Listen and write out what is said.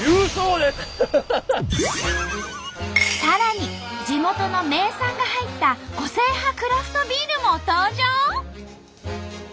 さらに地元の名産が入った個性派クラフトビールも登場！